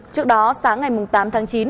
trước đó sáng ngày tám tháng chín